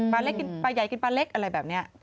เล็กกินปลาใหญ่กินปลาเล็กอะไรแบบนี้